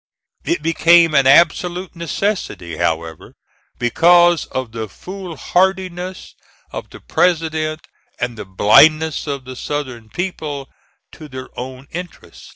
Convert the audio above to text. It became an absolute necessity, however, because of the foolhardiness of the President and the blindness of the Southern people to their own interest.